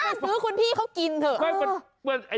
ซื้อคุณพี่เขากินเถอะ